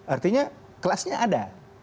artinya kelasnya ada